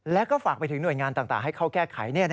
แล้วก็ฝากไปถึงหน่วยงานต่างให้เข้าแก้ไข